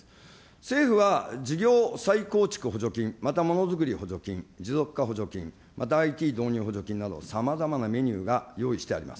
政府は事業再構築補助金、またものづくり補助金、持続化補助金、ＩＴ導入補助金、さまざまなメニューが用意してあります。